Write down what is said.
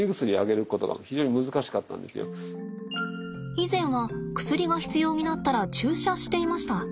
以前は薬が必要になったら注射していました。